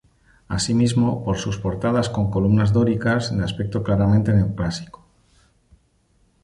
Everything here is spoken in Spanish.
Así mismo, por sus portadas con columnas dóricas, de aspecto claramente neoclásico.